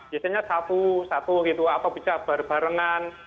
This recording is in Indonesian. biasanya satu satu gitu atau bisa berbarengan